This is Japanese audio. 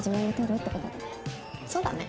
そうだね。